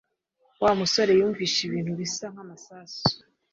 Wa musore yumvise ibintu bisa nkamasasu